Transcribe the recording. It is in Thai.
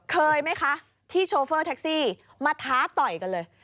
เคยไหมคะที่โชเฟอร์แท็กซี่มาท้าต่อยกันเลย